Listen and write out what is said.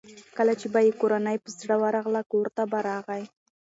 کله چې به یې کورنۍ په زړه ورغله کورته به راغی.